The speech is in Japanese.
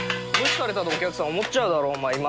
無視されたとお客さん思っちゃうだろお前